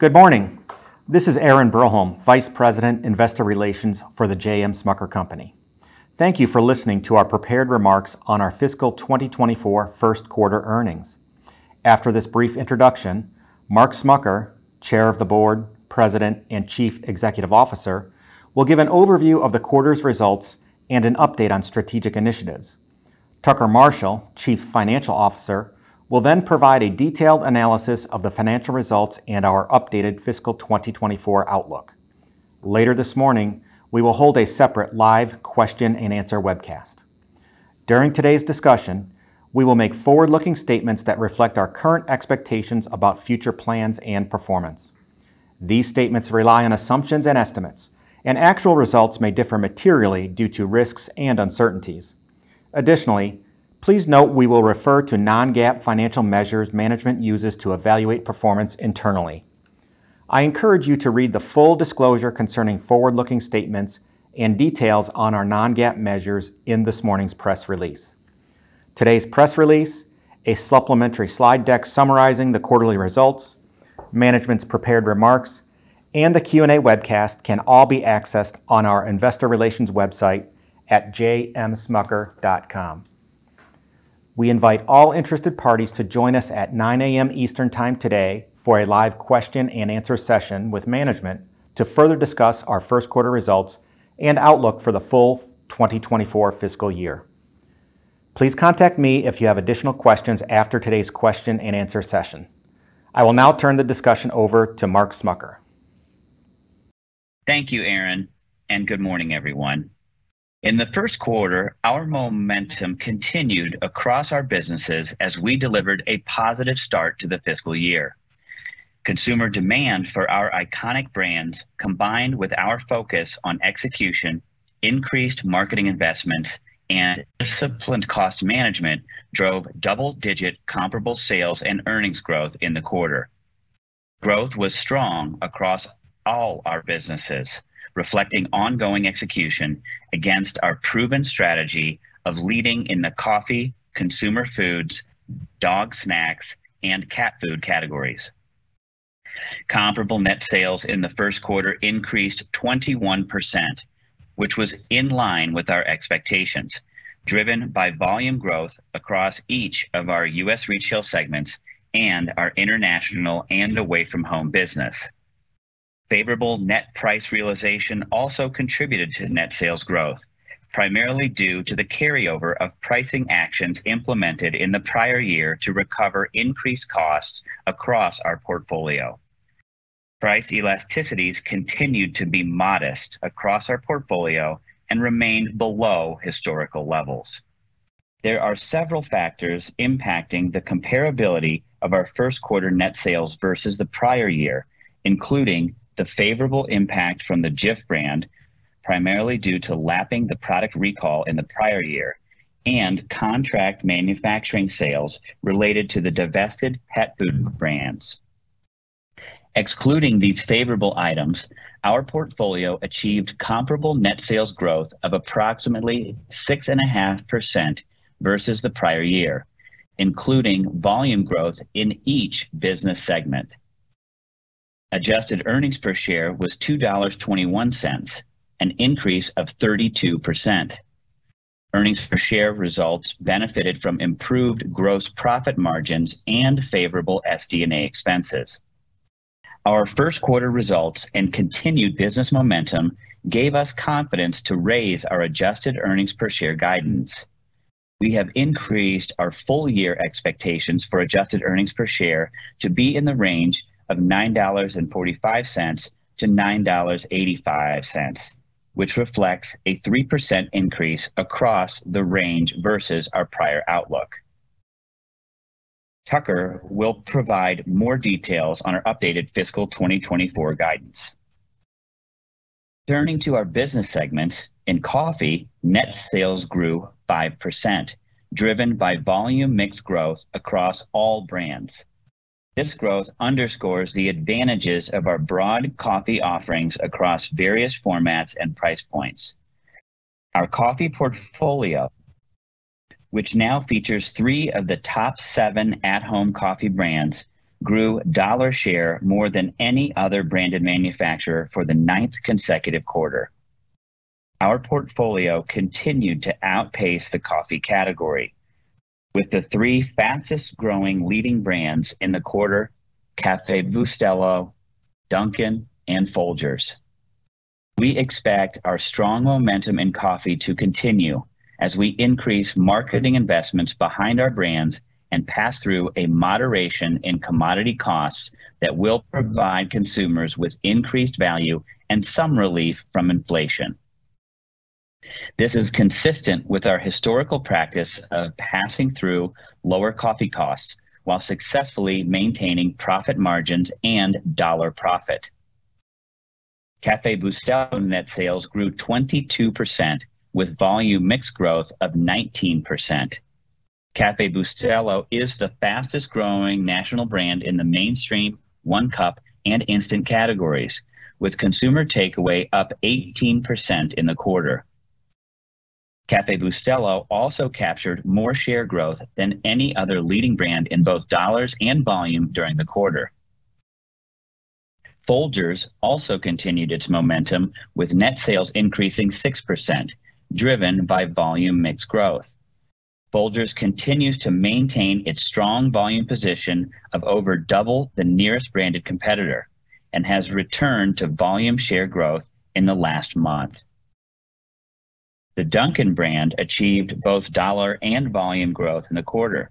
Good morning. This is Aaron Broholm, Vice President, Investor Relations for The J.M. Smucker Company. Thank you for listening to our prepared remarks on our fiscal 2024 first quarter earnings. After this brief introduction, Mark Smucker, Chair of the Board, President, and Chief Executive Officer, will give an overview of the quarter's results and an update on strategic initiatives. Tucker Marshall, Chief Financial Officer, will then provide a detailed analysis of the financial results and our updated fiscal 2024 outlook. Later this morning, we will hold a separate live question-and-answer webcast. During today's discussion, we will make forward-looking statements that reflect our current expectations about future plans and performance. These statements rely on assumptions and estimates, and actual results may differ materially due to risks and uncertainties. Additionally, please note we will refer to non-GAAP financial measures management uses to evaluate performance internally. I encourage you to read the full disclosure concerning forward-looking statements and details on our non-GAAP measures in this morning's press release. Today's press release, a supplementary slide deck summarizing the quarterly results, management's prepared remarks, and the Q&A webcast can all be accessed on our investor relations website at jmsmucker.com. We invite all interested parties to join us at 9:00 A.M. Eastern Time today for a live question-and-answer session with management to further discuss our first quarter results and outlook for the full 2024 fiscal year. Please contact me if you have additional questions after today's question-and-answer session. I will now turn the discussion over to Mark Smucker. Thank you, Aaron, and good morning, everyone. In the first quarter, our momentum continued across our businesses as we delivered a positive start to the fiscal year. Consumer demand for our iconic brands, combined with our focus on execution, increased marketing investments, and disciplined cost management, drove double-digit comparable sales and earnings growth in the quarter. Growth was strong across all our businesses, reflecting ongoing execution against our proven strategy of leading in the coffee, consumer foods, dog snacks, and cat food categories. Comparable net sales in the first quarter increased 21%, which was in line with our expectations, driven by volume growth across each of our U.S. retail segments and our international and away-from-home business. Favorable net price realization also contributed to net sales growth, primarily due to the carryover of pricing actions implemented in the prior year to recover increased costs across our portfolio. Price elasticities continued to be modest across our portfolio and remained below historical levels. There are several factors impacting the comparability of our first quarter net sales versus the prior year, including the favorable impact from the Jif brand, primarily due to lapping the product recall in the prior year, and contract manufacturing sales related to the divested pet food brands. Excluding these favorable items, our portfolio achieved comparable net sales growth of approximately 6.5% versus the prior year, including volume growth in each business segment. Adjusted earnings per share was $2.21, an increase of 32%. Earnings per share results benefited from improved gross profit margins and favorable SD&A expenses. Our first quarter results and continued business momentum gave us confidence to raise our adjusted earnings per share guidance. We have increased our full year expectations for adjusted earnings per share to be in the range of $9.45-$9.85, which reflects a 3% increase across the range versus our prior outlook. Tucker will provide more details on our updated fiscal 2024 guidance. Turning to our business segments, in coffee, net sales grew 5%, driven by volume mix growth across all brands. This growth underscores the advantages of our broad coffee offerings across various formats and price points. Our coffee portfolio, which now features three of the top seven at-home coffee brands, grew dollar share more than any other branded manufacturer for the ninth consecutive quarter. Our portfolio continued to outpace the coffee category with the three fastest growing leading brands in the quarter: Café Bustelo, Dunkin', and Folgers. We expect our strong momentum in coffee to continue as we increase marketing investments behind our brands and pass through a moderation in commodity costs that will provide consumers with increased value and some relief from inflation. This is consistent with our historical practice of passing through lower coffee costs while successfully maintaining profit margins and dollar profit. Café Bustelo net sales grew 22%, with volume mix growth of 19%. Café Bustelo is the fastest growing national brand in the mainstream one-cup and instant categories, with consumer takeaway up 18% in the quarter. Café Bustelo also captured more share growth than any other leading brand in both dollars and volume during the quarter. Folgers also continued its momentum, with net sales increasing 6%, driven by volume mix growth. Folgers continues to maintain its strong volume position of over double the nearest branded competitor and has returned to volume share growth in the last month. The Dunkin' brand achieved both dollar and volume growth in the quarter.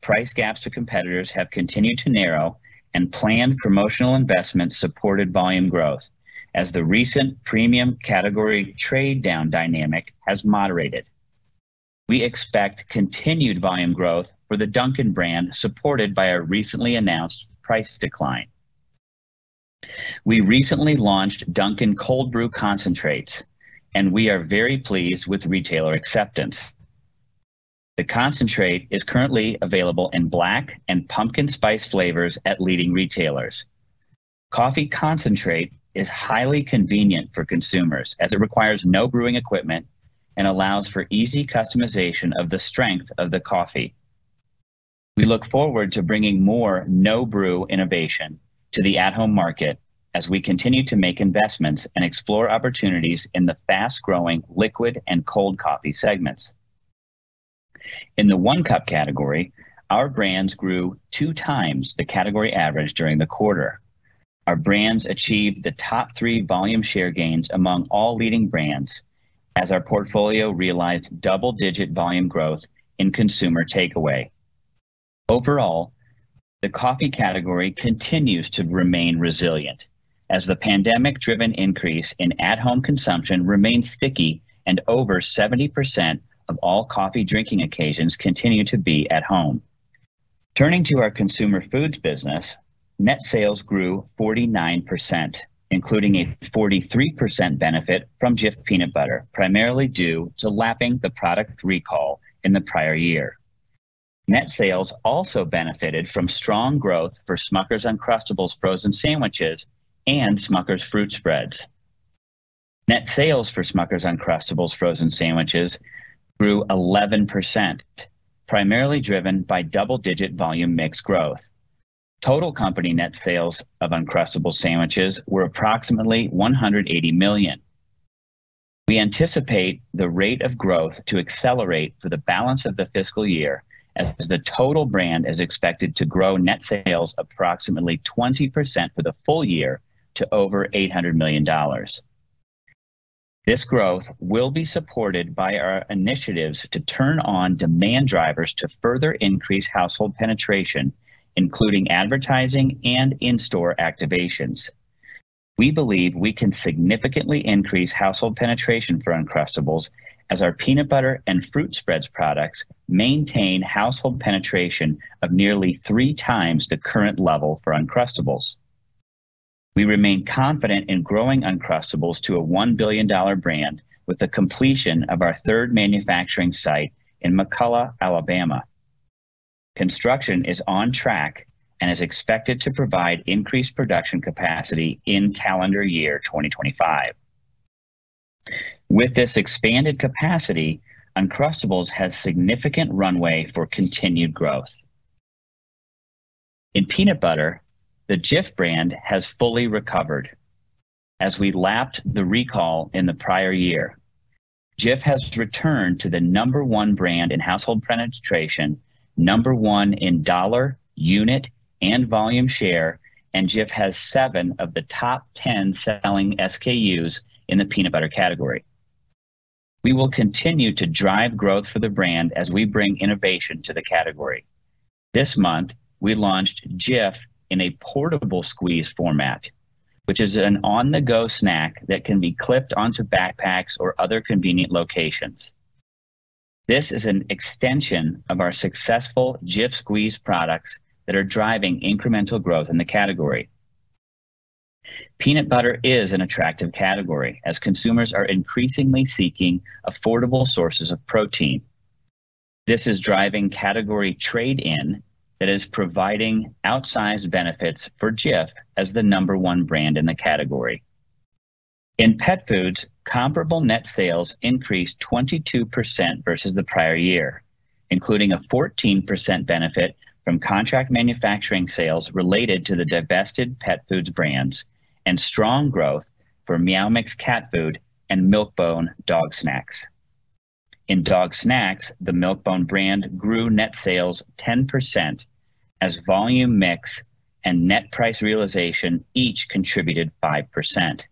Price gaps to competitors have continued to narrow, and planned promotional investments supported volume growth as the recent premium category trade-down dynamic has moderated. We expect continued volume growth for the Dunkin' brand, supported by our recently announced price decline. We recently launched Dunkin' Cold Brew Concentrates, and we are very pleased with retailer acceptance. The concentrate is currently available in black and pumpkin spice flavors at leading retailers. Coffee concentrate is highly convenient for consumers as it requires no brewing equipment and allows for easy customization of the strength of the coffee. We look forward to bringing more no-brew innovation to the at-home market as we continue to make investments and explore opportunities in the fast-growing liquid and cold coffee segments. In the one-cup category, our brands grew two times the category average during the quarter. Our brands achieved the top three volume share gains among all leading brands as our portfolio realized double-digit volume growth in consumer takeaway. Overall, the coffee category continues to remain resilient as the pandemic-driven increase in at-home consumption remains sticky and over 70% of all coffee drinking occasions continue to be at home. Turning to our consumer foods business, net sales grew 49%, including a 43% benefit from Jif Peanut Butter, primarily due to lapping the product recall in the prior year. Net sales also benefited from strong growth for Smucker's Uncrustables frozen sandwiches and Smucker's fruit spreads. Net sales for Smucker's Uncrustables frozen sandwiches grew 11%, primarily driven by double-digit volume mix growth. Total company net sales of Uncrustables sandwiches were approximately $180 million. We anticipate the rate of growth to accelerate for the balance of the fiscal year as the total brand is expected to grow net sales approximately 20% for the full year to over $800 million. This growth will be supported by our initiatives to turn on demand drivers to further increase household penetration, including advertising and in-store activations. We believe we can significantly increase household penetration for Uncrustables as our peanut butter and fruit spreads products maintain household penetration of nearly three times the current level for Uncrustables. We remain confident in growing Uncrustables to a $1 billion brand with the completion of our third manufacturing site in McCalla, Alabama. Construction is on track and is expected to provide increased production capacity in calendar year 2025. With this expanded capacity, Uncrustables has significant runway for continued growth. In peanut butter, the Jif brand has fully recovered. As we lapped the recall in the prior year, Jif has returned to the number one brand in household penetration, number one in dollar, unit, and volume share, and Jif has seven of the top 10 selling SKUs in the peanut butter category. We will continue to drive growth for the brand as we bring innovation to the category. This month, we launched Jif in a portable squeeze format, which is an on-the-go snack that can be clipped onto backpacks or other convenient locations. This is an extension of our successful Jif Squeeze products that are driving incremental growth in the category. Peanut butter is an attractive category as consumers are increasingly seeking affordable sources of protein. This is driving category trade-in that is providing outsized benefits for Jif as the number one brand in the category. In pet foods, comparable net sales increased 22% versus the prior year, including a 14% benefit from contract manufacturing sales related to the divested pet foods brands and strong growth for Meow Mix cat food and Milk-Bone dog snacks. In dog snacks, the Milk-Bone brand grew net sales 10% as volume mix and net price realization each contributed 5%.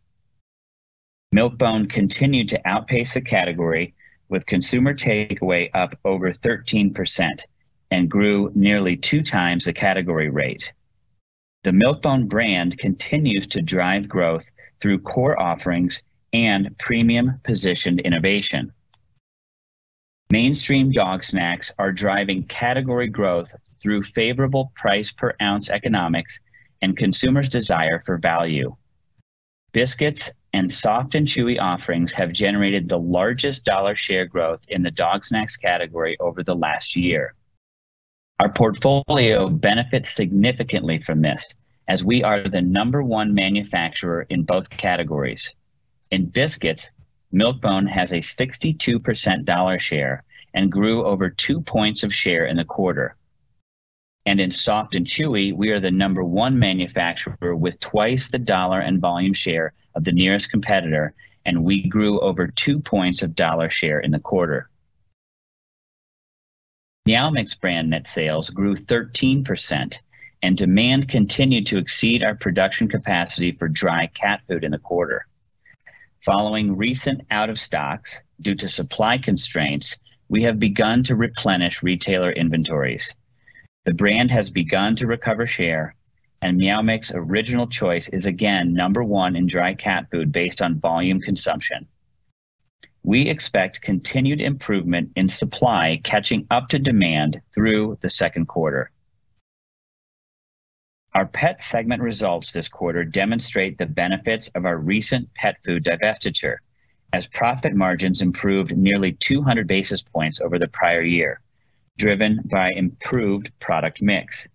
Milk-Bone continued to outpace the category, with consumer takeaway up over 13% and grew nearly two times the category rate. The Milk-Bone brand continues to drive growth through core offerings and premium-positioned innovation. Mainstream dog snacks are driving category growth through favorable price per ounce economics and consumers' desire for value. Biscuits and soft and chewy offerings have generated the largest dollar share growth in the dog snacks category over the last year. Our portfolio benefits significantly from this, as we are the number one manufacturer in both categories. In biscuits, Milk-Bone has a 62% dollar share and grew over two points of share in the quarter. In soft and chewy, we are the number one manufacturer, with twice the dollar and volume share of the nearest competitor, and we grew over two points of dollar share in the quarter. Meow Mix brand net sales grew 13%, and demand continued to exceed our production capacity for dry cat food in the quarter. Following recent out-of-stocks due to supply constraints, we have begun to replenish retailer inventories. The brand has begun to recover share, and Meow Mix Original Choice is again number one in dry cat food based on volume consumption. We expect continued improvement in supply, catching up to demand through the second quarter. Our pet segment results this quarter demonstrate the benefits of our recent pet food divestiture, as profit margins improved nearly 200 basis points over the prior year, driven by improved product mix.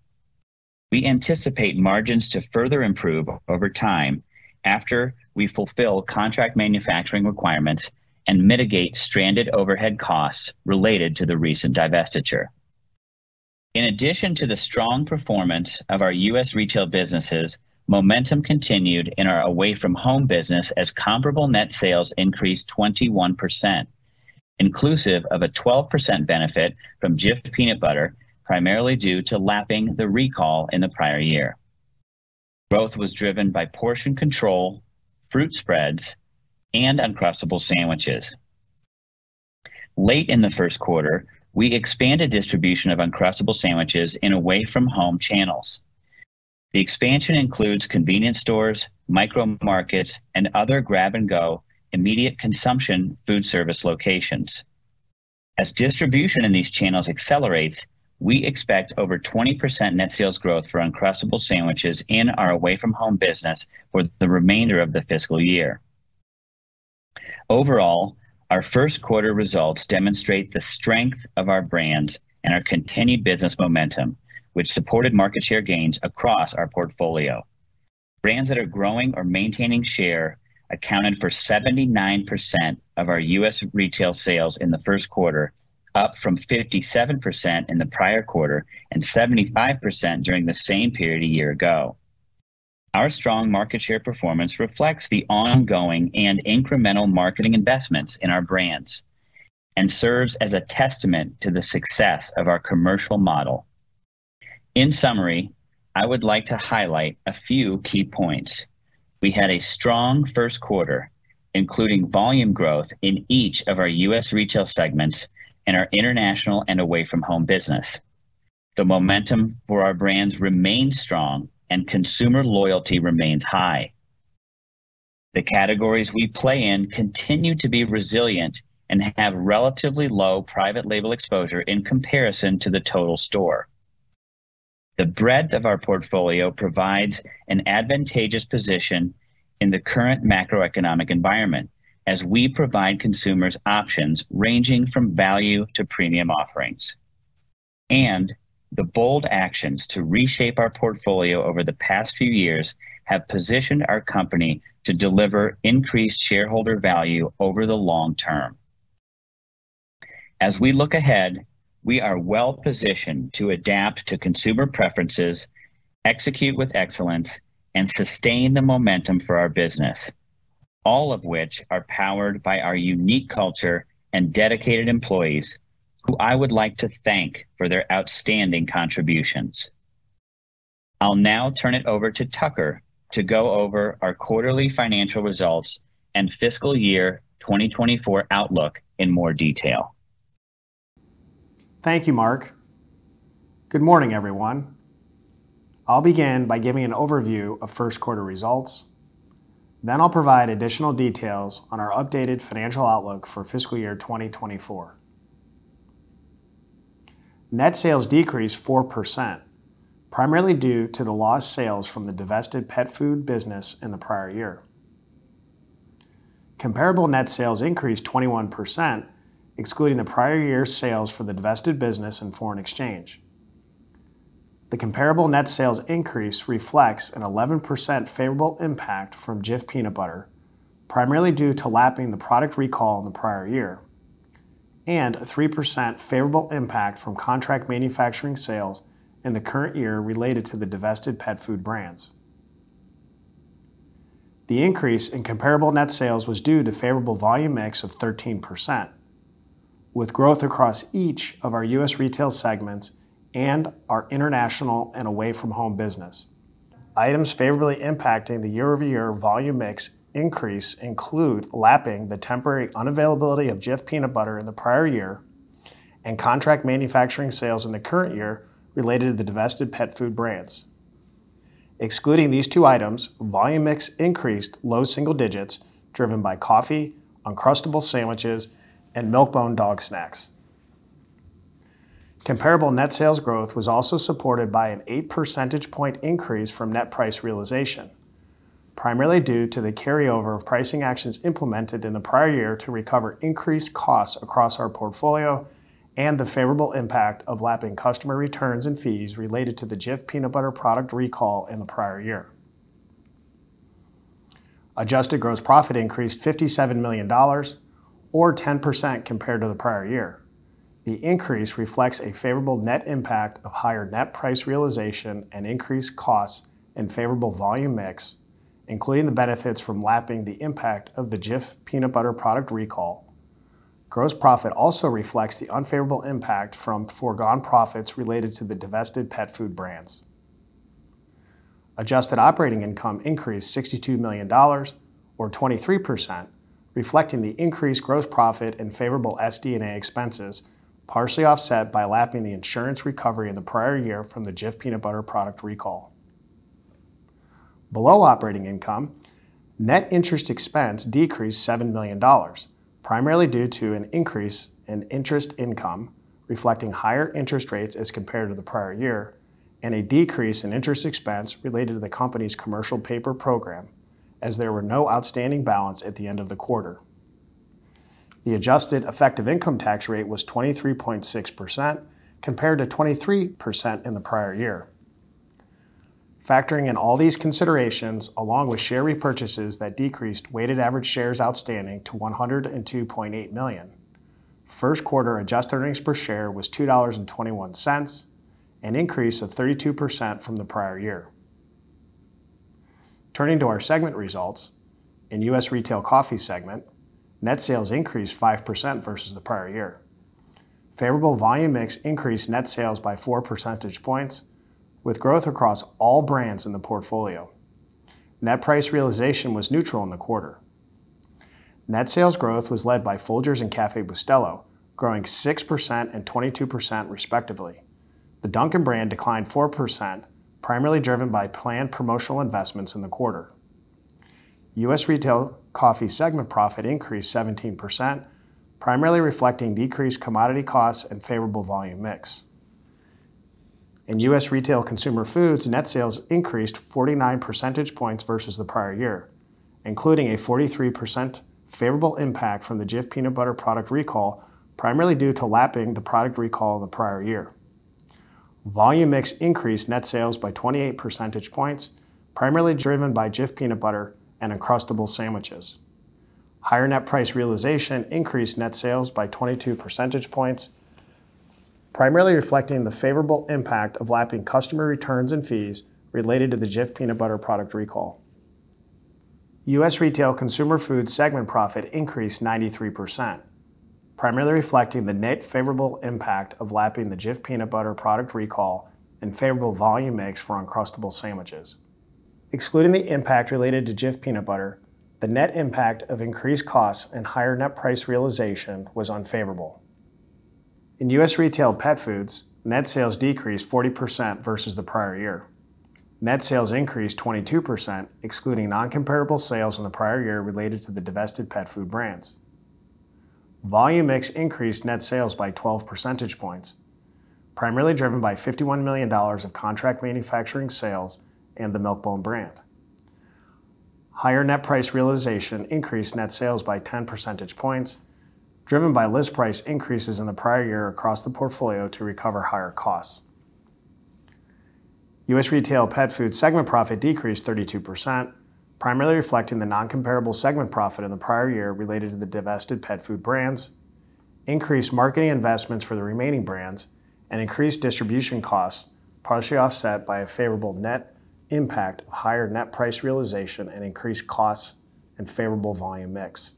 We anticipate margins to further improve over time after we fulfill contract manufacturing requirements and mitigate stranded overhead costs related to the recent divestiture. In addition to the strong performance of our U.S. retail businesses, momentum continued in our away from home business as comparable net sales increased 21%, inclusive of a 12% benefit from Jif Peanut Butter, primarily due to lapping the recall in the prior year. Growth was driven by portion control, fruit spreads, and Uncrustables sandwiches. Late in the first quarter, we expanded distribution of Uncrustables sandwiches in away from home channels. The expansion includes convenience stores, micro markets, and other grab-and-go, immediate consumption food service locations. As distribution in these channels accelerates, we expect over 20% net sales growth for Uncrustables sandwiches in our away from home business for the remainder of the fiscal year. Overall, our first quarter results demonstrate the strength of our brands and our continued business momentum, which supported market share gains across our portfolio. Brands that are growing or maintaining share accounted for 79% of our U.S. retail sales in the first quarter, up from 57% in the prior quarter and 75% during the same period a year ago. Our strong market share performance reflects the ongoing and incremental marketing investments in our brands and serves as a testament to the success of our commercial model. In summary, I would like to highlight a few key points. We had a strong first quarter, including volume growth in each of our U.S. retail segments and our international and away from home business. The momentum for our brands remains strong and consumer loyalty remains high. The categories we play in continue to be resilient and have relatively low private label exposure in comparison to the total store. The breadth of our portfolio provides an advantageous position in the current macroeconomic environment as we provide consumers options ranging from value to premium offerings. The bold actions to reshape our portfolio over the past few years have positioned our company to deliver increased shareholder value over the long term. As we look ahead, we are well positioned to adapt to consumer preferences, execute with excellence, and sustain the momentum for our business, all of which are powered by our unique culture and dedicated employees, who I would like to thank for their outstanding contributions. I'll now turn it over to Tucker to go over our quarterly financial results and fiscal year 2024 outlook in more detail. Thank you, Mark. Good morning, everyone. I'll begin by giving an overview of first quarter results, then I'll provide additional details on our updated financial outlook for fiscal year 2024. Net sales decreased 4%, primarily due to the lost sales from the divested pet food business in the prior year. Comparable net sales increased 21%, excluding the prior year's sales for the divested business and foreign exchange. The comparable net sales increase reflects an 11% favorable impact from Jif Peanut Butter, primarily due to lapping the product recall in the prior year, and a 3% favorable impact from contract manufacturing sales in the current year related to the divested pet food brands. The increase in comparable net sales was due to favorable volume mix of 13%, with growth across each of our U.S. retail segments and our international and away from home business. Items favorably impacting the year-over-year volume mix increase include lapping the temporary unavailability of Jif Peanut Butter in the prior year and contract manufacturing sales in the current year related to the divested pet food brands. Excluding these two items, volume mix increased low single digits, driven by coffee, Uncrustables sandwiches, and Milk-Bone dog snacks. Comparable net sales growth was also supported by an 8 percentage point increase from net price realization, primarily due to the carryover of pricing actions implemented in the prior year to recover increased costs across our portfolio and the favorable impact of lapping customer returns and fees related to the Jif Peanut Butter product recall in the prior year. Adjusted gross profit increased $57 million or 10% compared to the prior year. The increase reflects a favorable net impact of higher net price realization and increased costs and favorable volume mix, including the benefits from lapping the impact of the Jif Peanut Butter product recall. Gross profit also reflects the unfavorable impact from foregone profits related to the divested pet food brands. Adjusted operating income increased $62 million or 23%, reflecting the increased gross profit and favorable SD&A expenses, partially offset by lapping the insurance recovery in the prior year from the Jif Peanut Butter product recall. Below operating income, net interest expense decreased $7 million, primarily due to an increase in interest income, reflecting higher interest rates as compared to the prior year, and a decrease in interest expense related to the company's commercial paper program, as there were no outstanding balance at the end of the quarter. The adjusted effective income tax rate was 23.6%, compared to 23% in the prior year. Factoring in all these considerations, along with share repurchases that decreased weighted average shares outstanding to 102.8 million, first quarter adjusted earnings per share was $2.21, an increase of 32% from the prior year. Turning to our segment results, in U.S. Retail Coffee segment, net sales increased 5% versus the prior year. Favorable volume mix increased net sales by 4 percentage points, with growth across all brands in the portfolio. Net price realization was neutral in the quarter. Net sales growth was led by Folgers and Café Bustelo, growing 6% and 22% respectively. The Dunkin' brand declined 4%, primarily driven by planned promotional investments in the quarter. U.S. Retail Coffee segment profit increased 17%, primarily reflecting decreased commodity costs and favorable volume mix. In U.S. Retail Consumer Foods, net sales increased 49 percentage points versus the prior year, including a 43% favorable impact from the Jif Peanut Butter product recall, primarily due to lapping the product recall in the prior year. Volume mix increased net sales by 28 percentage points, primarily driven by Jif Peanut Butter and Uncrustables sandwiches. Higher net price realization increased net sales by 22 percentage points, primarily reflecting the favorable impact of lapping customer returns and fees related to the Jif Peanut Butter product recall. U.S. Retail Consumer Foods segment profit increased 93%, primarily reflecting the net favorable impact of lapping the Jif Peanut Butter product recall and favorable volume mix for Uncrustables sandwiches. Excluding the impact related to Jif Peanut Butter, the net impact of increased costs and higher net price realization was unfavorable. In U.S. Retail Pet Foods, net sales decreased 40% versus the prior year. Net sales increased 22%, excluding non-comparable sales in the prior year related to the divested pet food brands. Volume mix increased net sales by 12 percentage points, primarily driven by $51 million of contract manufacturing sales and the Milk-Bone brand. Higher net price realization increased net sales by 10 percentage points, driven by list price increases in the prior year across the portfolio to recover higher costs. U.S. Retail Pet Food segment profit decreased 32%, primarily reflecting the non-comparable segment profit in the prior year related to the divested pet food brands, increased marketing investments for the remaining brands, and increased distribution costs, partially offset by a favorable net impact, higher net price realization, and increased costs and favorable volume Mix.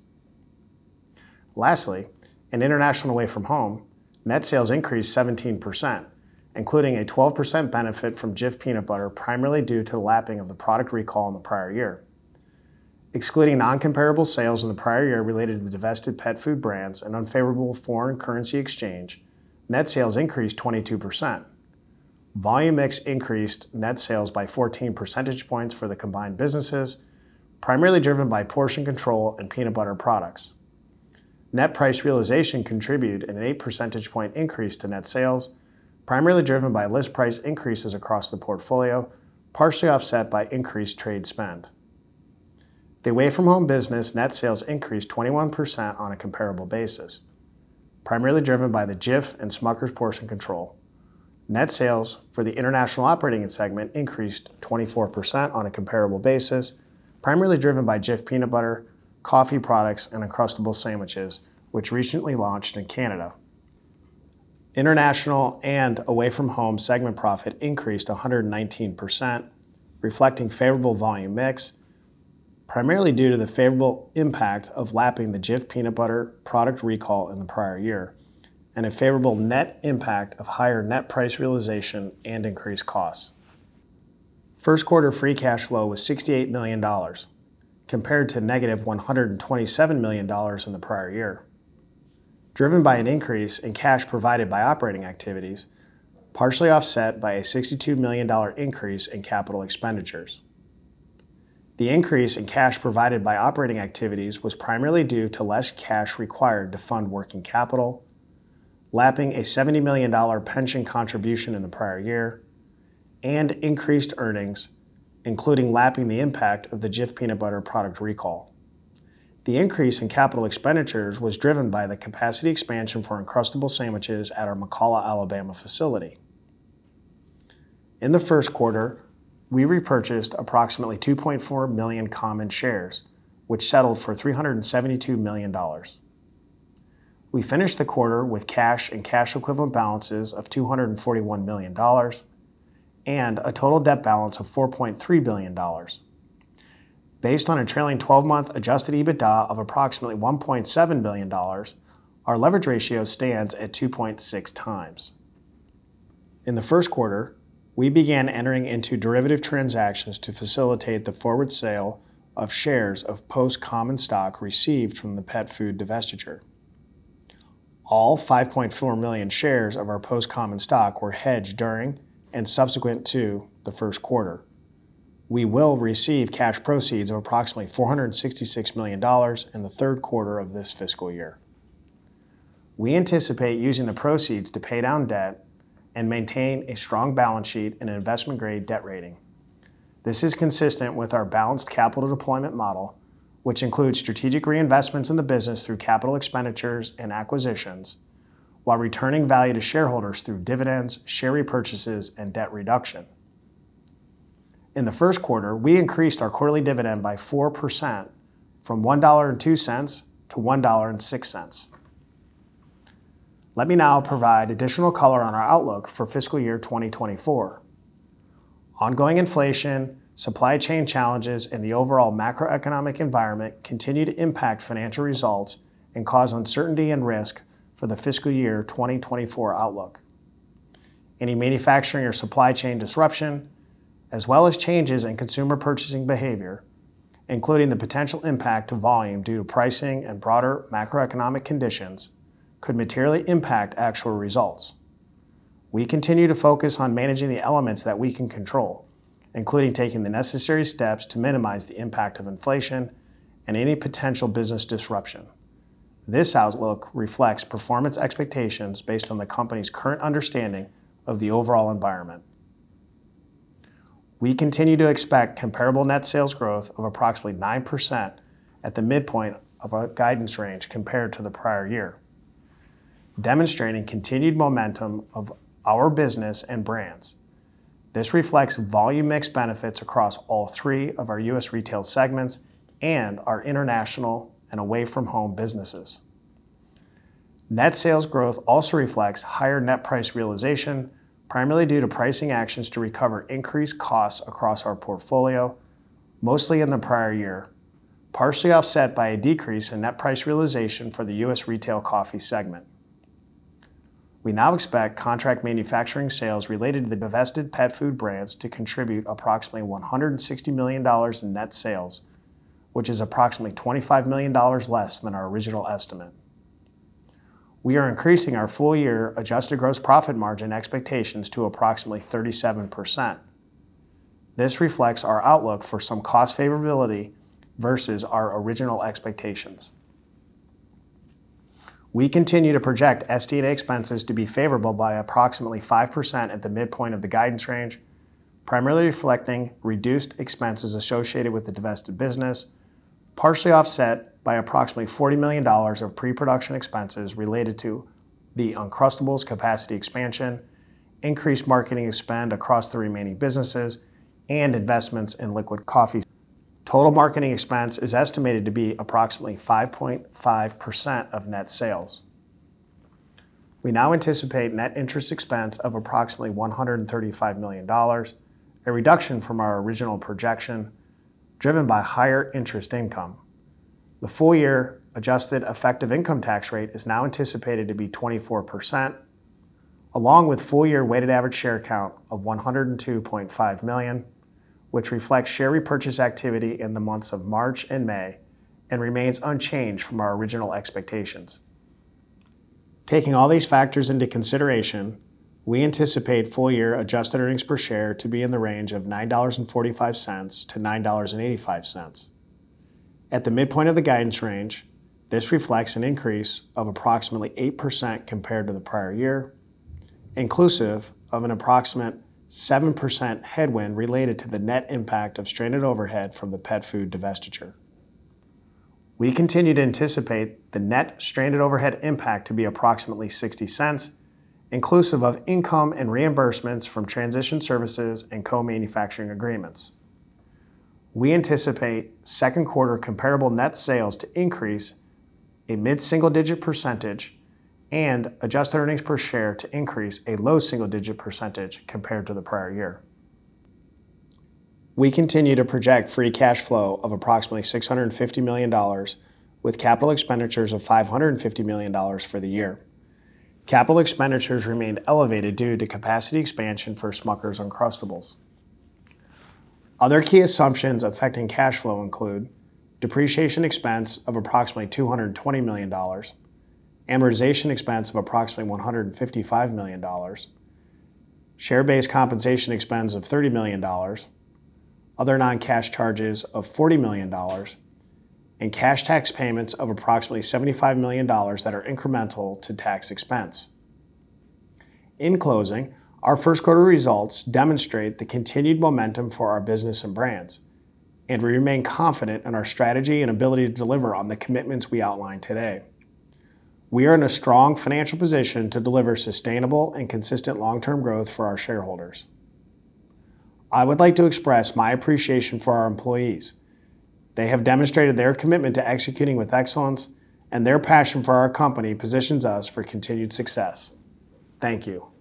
Lastly, in International and Away From Home, net sales increased 17%, including a 12% benefit from Jif peanut butter, primarily due to the lapping of the product recall in the prior year. Excluding non-comparable sales in the prior year related to the divested pet food brands and unfavorable foreign currency exchange, net sales increased 22%. Volume Mix increased net sales by 14 percentage points for the combined businesses, primarily driven by portion control and peanut butter products. Net price realization contributed an eight percentage point increase to net sales, primarily driven by list price increases across the portfolio, partially offset by increased trade spend. The Away From Home business net sales increased 21% on a comparable basis, primarily driven by the Jif and Smucker's portion control. Net sales for the International operating segment increased 24% on a comparable basis, primarily driven by Jif Peanut Butter, coffee products, and Uncrustables sandwiches, which recently launched in Canada. International and Away From Home segment profit increased 119%, reflecting favorable volume mix, primarily due to the favorable impact of lapping the Jif Peanut Butter product recall in the prior year, and a favorable net impact of higher net price realization and increased costs. First quarter free cash flow was $68 million, compared to -$127 million in the prior year, driven by an increase in cash provided by operating activities, partially offset by a $62 million increase in capital expenditures. The increase in cash provided by operating activities was primarily due to less cash required to fund working capital, lapping a $70 million pension contribution in the prior year, and increased earnings, including lapping the impact of the Jif peanut butter product recall. The increase in capital expenditures was driven by the capacity expansion for Uncrustables sandwiches at our McCalla, Alabama facility. In the first quarter, we repurchased approximately 2.4 million common shares, which settled for $372 million. We finished the quarter with cash and cash equivalent balances of $241 million and a total debt balance of $4.3 billion. Based on a trailing twelve-month Adjusted EBITDA of approximately $1.7 billion, our leverage ratio stands at 2.6 times. In the first quarter, we began entering into derivative transactions to facilitate the forward sale of shares of Post common stock received from the pet food divestiture. All 5.4 million shares of our Post common stock were hedged during and subsequent to the first quarter. We will receive cash proceeds of approximately $466 million in the third quarter of this fiscal year. We anticipate using the proceeds to pay down debt and maintain a strong balance sheet and an investment-grade debt rating. This is consistent with our balanced capital deployment model, which includes strategic reinvestments in the business through capital expenditures and acquisitions, while returning value to shareholders through dividends, share repurchases, and debt reduction. In the first quarter, we increased our quarterly dividend by 4% from $1.02 to $1.06. Let me now provide additional color on our outlook for fiscal year 2024. Ongoing inflation, supply chain challenges, and the overall macroeconomic environment continue to impact financial results and cause uncertainty and risk for the fiscal year 2024 outlook. Any manufacturing or supply chain disruption, as well as changes in consumer purchasing behavior, including the potential impact to volume due to pricing and broader macroeconomic conditions, could materially impact actual results. We continue to focus on managing the elements that we can control, including taking the necessary steps to minimize the impact of inflation and any potential business disruption. This outlook reflects performance expectations based on the company's current understanding of the overall environment. We continue to expect comparable net sales growth of approximately 9% at the midpoint of our guidance range compared to the prior year, demonstrating continued momentum of our business and brands. This reflects volume mix benefits across all three of our U.S. retail segments and our international and away-from-home businesses. Net sales growth also reflects higher net price realization, primarily due to pricing actions to recover increased costs across our portfolio, mostly in the prior year, partially offset by a decrease in net price realization for the U.S. retail coffee segment. We now expect contract manufacturing sales related to the divested pet food brands to contribute approximately $160 million in net sales, which is approximately $25 million less than our original estimate. We are increasing our full-year adjusted gross profit margin expectations to approximately 37%. This reflects our outlook for some cost favorability versus our original expectations. We continue to project SD&A expenses to be favorable by approximately 5% at the midpoint of the guidance range, primarily reflecting reduced expenses associated with the divested business, partially offset by approximately $40 million of pre-production expenses related to the Uncrustables capacity expansion, increased marketing spend across the remaining businesses, and investments in liquid coffee. Total marketing expense is estimated to be approximately 5.5% of net sales. We now anticipate net interest expense of approximately $135 million, a reduction from our original projection, driven by higher interest income. The full-year adjusted effective income tax rate is now anticipated to be 24%, along with full-year weighted average share count of 102.5 million, which reflects share repurchase activity in the months of March and May and remains unchanged from our original expectations. Taking all these factors into consideration, we anticipate full-year adjusted earnings per share to be in the range of $9.45-$9.85. At the midpoint of the guidance range, this reflects an increase of approximately 8% compared to the prior year, inclusive of an approximate 7% headwind related to the net impact of stranded overhead from the pet food divestiture. We continue to anticipate the net stranded overhead impact to be approximately $0.60, inclusive of income and reimbursements from transition services and co-manufacturing agreements. We anticipate second quarter comparable net sales to increase a mid-single-digit percentage and adjusted earnings per share to increase a low single-digit percentage compared to the prior year. We continue to project free cash flow of approximately $650 million with capital expenditures of $550 million for the year. Capital expenditures remained elevated due to capacity expansion for Smucker's Uncrustables. Other key assumptions affecting cash flow include depreciation expense of approximately $220 million, amortization expense of approximately $155 million, share-based compensation expense of $30 million, other non-cash charges of $40 million, and cash tax payments of approximately $75 million that are incremental to tax expense. In closing, our first quarter results demonstrate the continued momentum for our business and brands, and we remain confident in our strategy and ability to deliver on the commitments we outlined today. We are in a strong financial position to deliver sustainable and consistent long-term growth for our shareholders. I would like to express my appreciation for our employees. They have demonstrated their commitment to executing with excellence, and their passion for our company positions us for continued success. Thank you!